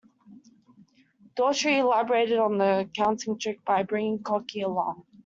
Daughtry elaborated on the counting trick by bringing Cocky along.